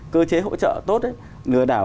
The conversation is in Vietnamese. cơ chế hỗ trợ tốt lừa đảo